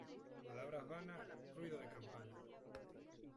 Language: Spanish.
Palabras vanas, ruido de campanas.